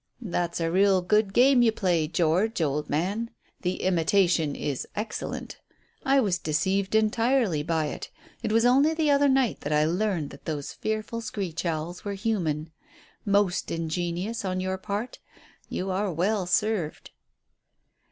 "That's a real good game you play, George, old man. The imitation is excellent. I was deceived entirely by it. It was only the other night that I learned that those fearful screech owls were human. Most ingenious on your part. You are well served."